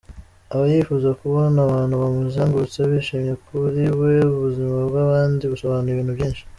Aba yifuza kubona abantu bamuzengurutse bishimye; kuri we ubuzima bw’abndi busobanuye ibintu byinshi.